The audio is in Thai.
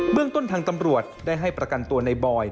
เมืองต้นทางตำรวจได้ให้ประกันตัวในบอย